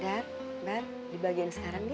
dad mbak dibagiin sekarang deh